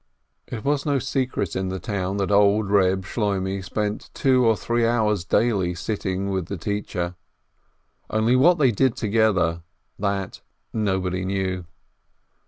It was no secret in the town that old Eeb Shloimeh spent two to three hours daily sitting with the teacher, only what they did together, that nobody knew.